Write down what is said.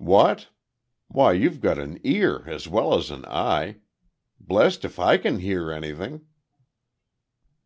"What? Why you've got an ear as well as an eye. Blest if I can hear anything."